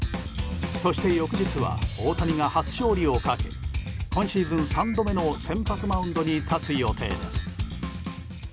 そして翌日は大谷が初勝利をかけ今シーズン３度目の先発マウンドに立つ予定です。